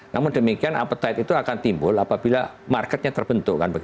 namun demikian appetite itu akan timbul apabila marketnya terbentuk